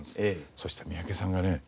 そしたら三宅さんがね